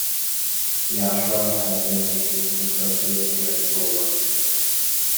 The ashram has been engaged in socio-spiritual works.